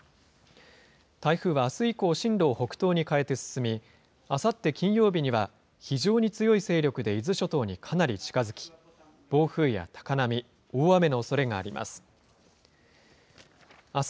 台風はあす以降、進路を北東に変えて進み、あさって金曜日には非常に強い勢力で伊豆諸島にかなり近づき、暴風や高波、大雨のおそれがあります。